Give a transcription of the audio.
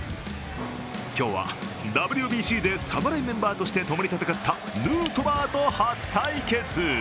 今日はＷＢＣで侍メンバーとして共に戦ったヌートバーと初対決。